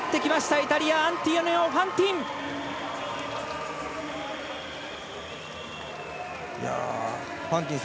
イタリアアントニオ・ファンティン。